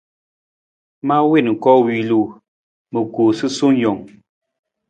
Ma wiin koowilu, ma koo sasuwe jang.